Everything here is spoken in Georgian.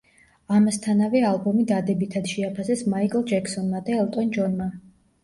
ამასთანავე ალბომი დადებითად შეაფასეს მაიკლ ჯექსონმა და ელტონ ჯონმა.